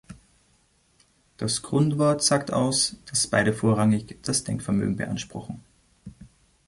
Das Grundwort sagt aus, dass beide vorrangig das Denkvermögen beanspruchen.